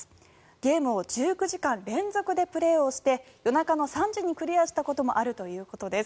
ゲームを１９時間連続でプレーをして夜中の３時にクリアしたこともあるということです。